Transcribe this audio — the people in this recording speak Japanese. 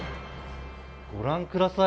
ご覧ください